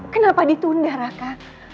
kenapa ditunda raka